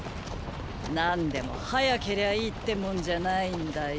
⁉何でも早けりゃいいってもんじゃないんだよ。